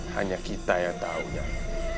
hanya kita yang tahu nyai